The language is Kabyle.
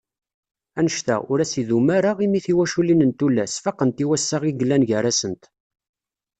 Anect-a, ur as-idum ara imi tiwaculin n tullas, faqent i wassaɣ i yellan gar-asent.